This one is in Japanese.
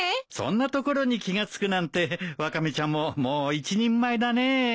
そんなところに気が付くなんてワカメちゃんももう一人前だね。